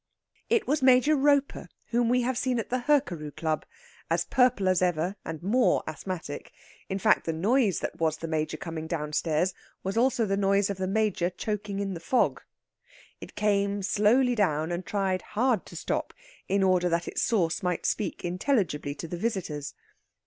It was Major Roper whom we have seen at the Hurkaru Club, as purple as ever and more asthmatic in fact, the noise that was the Major coming downstairs was also the noise of the Major choking in the fog. It came slowly down, and tried hard to stop, in order that its source might speak intelligibly to the visitors.